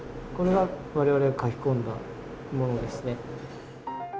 これは、我々が書き込んだものですね。